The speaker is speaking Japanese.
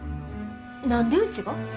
何でうちが？